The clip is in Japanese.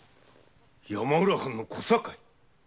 山浦藩の小堺？